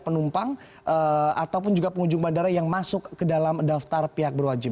penumpang ataupun juga pengunjung bandara yang masuk ke dalam daftar pihak berwajib